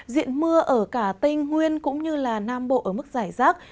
diện mưa ở cả tây nguyên cũng như nam bộ ở mức giải rác